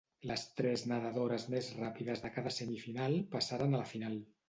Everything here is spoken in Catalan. Les tres nedadores més ràpides de cada semifinal passaren a la final.